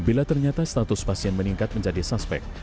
bila ternyata status pasien meningkat menjadi suspek